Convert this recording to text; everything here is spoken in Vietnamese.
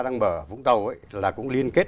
đang mở ở vũng tàu ấy là cũng liên kết